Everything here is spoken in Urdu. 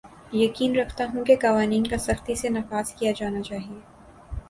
یقین رکھتا ہوں کہ قوانین کا سختی سے نفاذ کیا جانا چاھیے